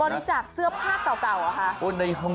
จากเสื้อผ้าเก่าเหรอคะ